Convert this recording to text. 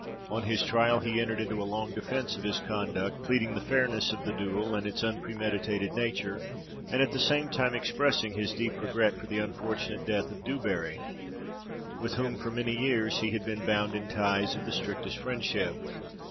On his trial he entered into a long defence of his conduct, pleading the fairness of the duel, and its unpremeditated nature; and, at the same time, expressing his deep regret for the unfortunate death of Du Barri, with whom for many years he had been bound in ties of the strictest friendship.